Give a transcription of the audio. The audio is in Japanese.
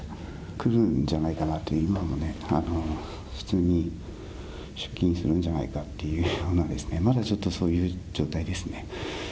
来るんじゃないかなとね、今もね、普通に出勤するんじゃないかっていうような、まだちょっとそういう状態ですね。